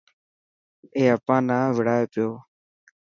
اي اپا نا وڙائي پيو.